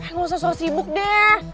nggak usah sok sibuk deh